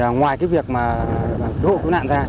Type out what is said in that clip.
ngoài việc đổ cứu nạn ra